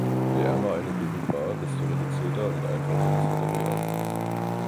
Je ärmer eine Gegend war, desto reduzierter und einfacher das Material.